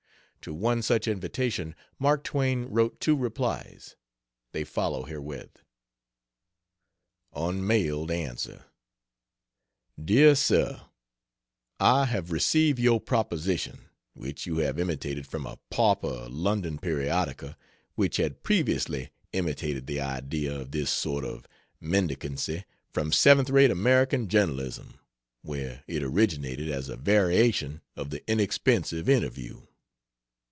To one such invitation Mark Twain wrote two replies. They follow herewith: Unmailed Answer: DEAR SIR, I have received your proposition which you have imitated from a pauper London periodical which had previously imitated the idea of this sort of mendicancy from seventh rate American journalism, where it originated as a variation of the inexpensive "interview."